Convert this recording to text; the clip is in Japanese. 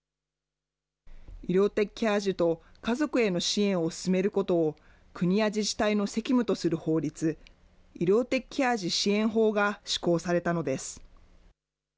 医療的ケア児と家族への支援を進めることを、国や自治体の責務とする法律、医療的ケア児支援法が施行されたのです。